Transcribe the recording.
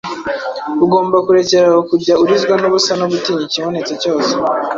Ugomba kurekeraho kujya urizwa n’ubusa no gutinya ikibonetse cyose.”